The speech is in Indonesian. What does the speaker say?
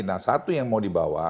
nah satu yang mau dibawa